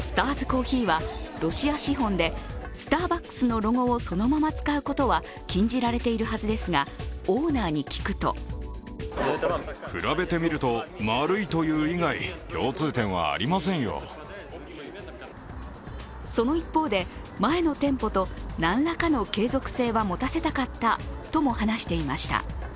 コーヒーはロシア資本でスターバックスのロゴをそのまま使うことは禁じられているはずですが、オーナーに聞くとその一方で、前の店舗と何らかの継続性は持たせたかったとも話していました。